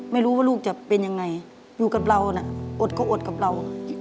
ไม่รู้ว่าลูกจะเป็นยังไงอยู่กับเราน่ะอดก็อดกับเรา